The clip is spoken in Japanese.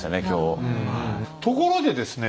ところでですね